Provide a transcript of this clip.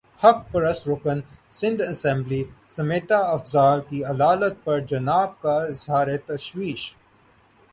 حق پرست رکن سندھ اسمبلی سمیتا افضال کی علالت پر جناب کا اظہار تشویش